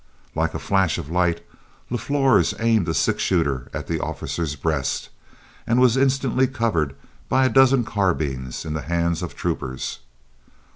Like a flash of light, LaFlors aimed a six shooter at the officer's breast, and was instantly covered by a dozen carbines in the hands of troopers.